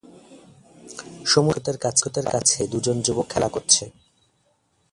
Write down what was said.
সমুদ্র সৈকতের কাছে বালিতে দুজন যুবক খেলা করছে।